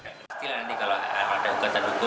negara yang tak hukum ya pasti dilayani lah